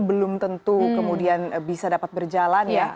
belum tentu kemudian bisa dapat berjalan ya